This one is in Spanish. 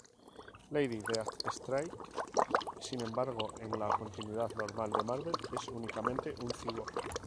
Lady Deathstrike, sin embargo, en la continuidad normal de Marvel, es únicamente un cyborg.